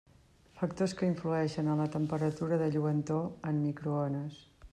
Factors que influeixen en la temperatura de lluentor en microones.